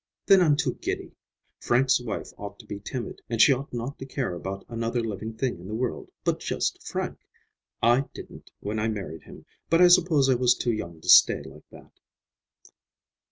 Then I'm too giddy. Frank's wife ought to be timid, and she ought not to care about another living thing in the world but just Frank! I didn't, when I married him, but I suppose I was too young to stay like that."